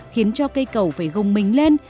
khiến cho cây cầu phải gông mình lên